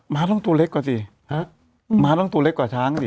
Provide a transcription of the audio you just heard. ้าต้องตัวเล็กกว่าสิฮะม้าต้องตัวเล็กกว่าช้างสิ